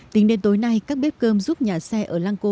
tính đến tối nay các bếp cơm giúp nhà xe ở lang co